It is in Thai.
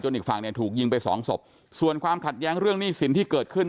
อีกฝั่งเนี่ยถูกยิงไปสองศพส่วนความขัดแย้งเรื่องหนี้สินที่เกิดขึ้น